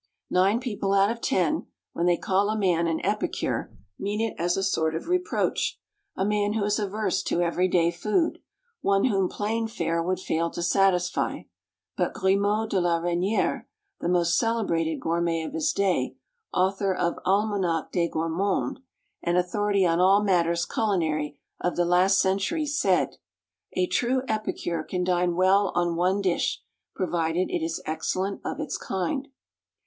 _" Nine people out of ten, when they call a man an epicure, mean it as a sort of reproach, a man who is averse to every day food, one whom plain fare would fail to satisfy; but Grimod de la Reynière, the most celebrated gourmet of his day, author of "Almanach des Gourmands," and authority on all matters culinary of the last century, said, "A true epicure can dine well on one dish, provided it is excellent of its kind."